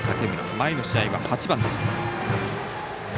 前の試合は８番でした。